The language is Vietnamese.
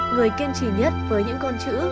người kiên trì nhất với những con chữ